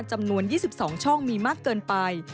จำนวน๒๒ช่องมีมากเกินไป